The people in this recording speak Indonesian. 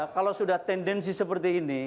kalau sudah tendensi seperti ini